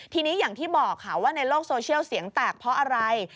ทีนี้อย่างที่บอกค่ะว่าในโลกโซเชียลเสียงแตกเพราะอะไร